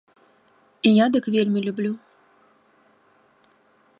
Я дык вельмі люблю.